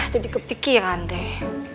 jadi kepikiran deh